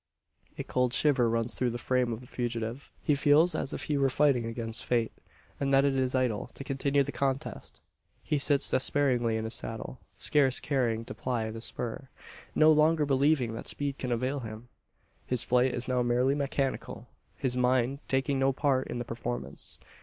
A cold shiver runs through the frame of the fugitive. He feels as if he were fighting against Fate; and that it is idle to continue the contest! He sits despairingly in his saddle; scarce caring to ply the spur; no longer believing that speed can avail him! His flight is now merely mechanical his mind taking no part in the performance.